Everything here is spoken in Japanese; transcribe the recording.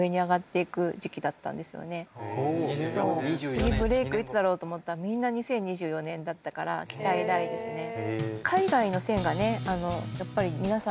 次ブレイクいつだろう？と思ったらみんな２０２４年だったから期待大ですね。